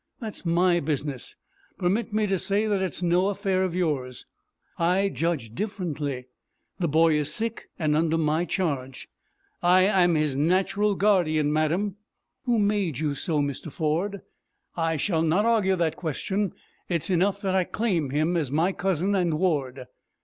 "That's my business. Permit me to say that it is no affair of yours." "I judge differently. The boy is sick and under my charge." "I am his natural guardian, madam." "Who made you so, Mr. Ford?" "I shall not argue that question. It is enough that I claim him as my cousin and ward."